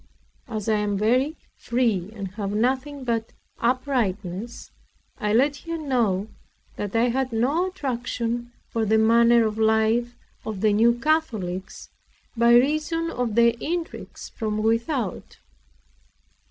As I am very free, and have nothing but uprightness, I let her know that I had no attraction for the manner of life of the New Catholics, by reason of the intrigues from without.